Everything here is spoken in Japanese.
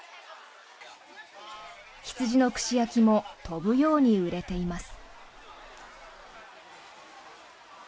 羊の串焼きも飛ぶように売れています。